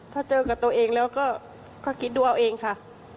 ถ้าเจอกับตัวเองแล้วก็คิดดูเอาเองค่ะ